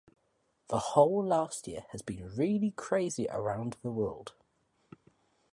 The whole last year has been really crazy around the world.